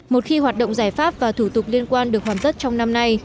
một khi hoạt động giải pháp và thủ tục liên quan được hoàn tất trong năm nay